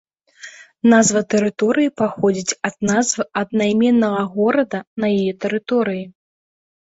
Назва тэрыторыі паходзіць ад назвы аднайменнага горада на яе тэрыторыі.